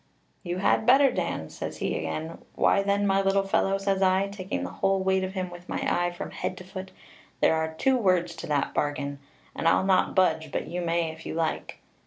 'You had better, Dan,' says he again. 'Why, then, my little fellow,' says I, taking the whole weight of him with my eye from head to foot, 'there are two words to that bargain; and I'll not budge, but you may if you like.'